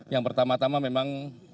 yang pertama tama memang